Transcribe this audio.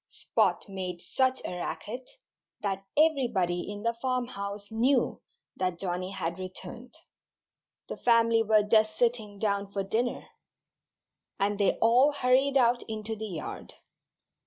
Spot made such a racket that everybody in the farmhouse knew that Johnnie had returned. The family were just sitting down for dinner. And they all hurried out into the yard.